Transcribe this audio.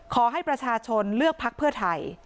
ขอให้ประชาชนเลือกพักเพื่อไทย